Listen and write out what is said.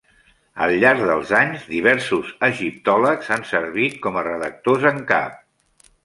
Al llarg dels anys, diversos egiptòlegs han servit com a redactors en cap.